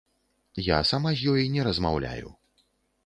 Я сама з ёй не размаўляю.